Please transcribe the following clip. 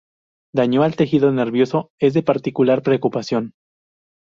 Daño al tejido nervioso es de particular preocupación.